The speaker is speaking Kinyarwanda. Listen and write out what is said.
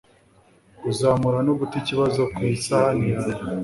Kuzamura no guta ikibazo ku isahani yawe;